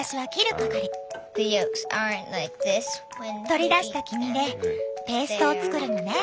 取り出した黄身でペーストを作るのね。